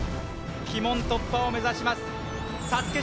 鬼門突破を目指しますＳＡＳＵＫＥ